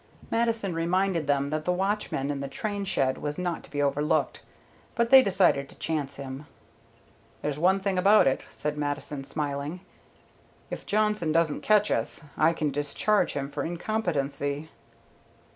Mattison reminded them that the watchman in the train shed was not to be overlooked, but they decided to chance him. "There's one thing about it," said Mattison, smiling. "If Johnson doesn't catch us, I can discharge him for incompetency."